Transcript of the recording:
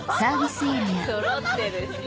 そろってるし。